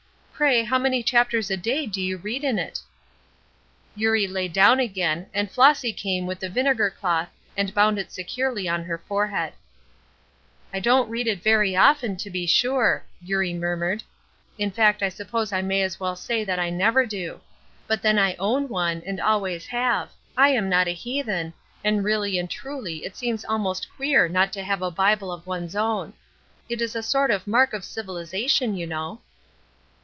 Pray how many chapters a day do you read in it?" Eurie lay down again, and Flossy came with the vinegar cloth and bound it securely on her forehead. "I don't read in it very often, to be sure," Eurie murmured. "In fact I suppose I may as well say that I never do. But then I own one, and always have. I am not a heathen; and really and truly it seems almost queer not to have a Bible of one's own. It is a sort of mark of civilization, you know."